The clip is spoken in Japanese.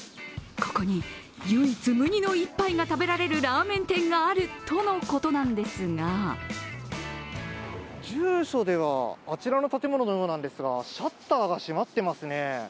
ここに、唯一無二の一杯が食べられるラーメン店があるとのことなんですが住所では、あちらの建物のようなんですがシャッターが閉まってますね。